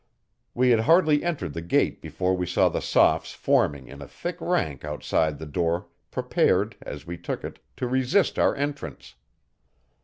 We had hardly entered the gate before we saw the Sophs forming in a thick rank outside the door prepared, as we took it, to resist our entrance.